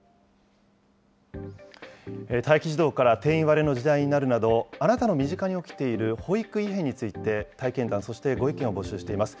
待機児童から定員割れの時代になるなど、あなたの身近に起きている保育異変について、体験談、そしてご意見を募集しています。